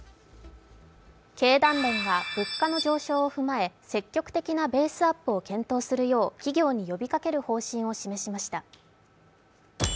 経団連が、物価の上昇を踏まえ積極的なベースアップを検討するよう企業に呼びかける方針を示しました。